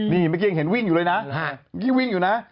นี่เมื่อกี้ยังเห็นวิ่งอยู่เลยนะ